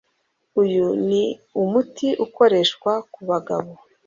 Uyu ni umuti ukoreshwa ku bagabo